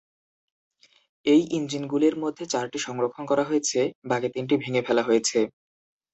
এই ইঞ্জিনগুলির মধ্যে চারটি সংরক্ষণ করা হয়েছে, বাকি তিনটি ভেঙ্গে ফেলা হয়েছে।